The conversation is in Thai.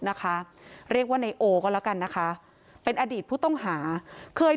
นะคะเรียกว่าในโอก็แล้วกันนะคะเป็นอดีตผู้ต้องหาเคย